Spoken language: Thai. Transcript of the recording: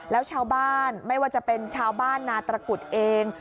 แล้วชาวบ้านไม่ว่าจะเป็นชาวบ้านนาตระกุดเอง